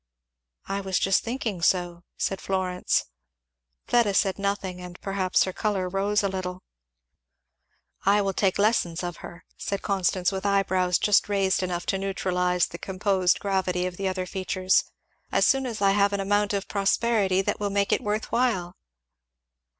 "I was just thinking so," said Florence. Fleda said nothing, and perhaps her colour rose a little. "I will take lessons of her," said Constance, with eyebrows just raised enough to neutralize the composed gravity of the other features, "as soon as I have an amount of prosperity that will make it worth while."